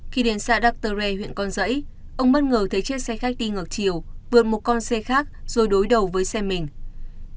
khi đến xa dr ray huyện con giấy ông bất ngờ thấy chiếc xe khách đi ngược chiều vượt một con xe khác rồi đối đầu với xe mình